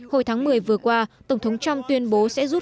hồi tháng một mươi vừa qua tổng thống trump tuyên bố sẽ rút khỏi tình trạng